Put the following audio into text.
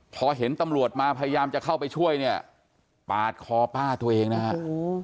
พอเห็นตำรวจมาพยายามจะเข้าไปช่วยเนี่ยปาดคอป้าตัวเองนะฮะ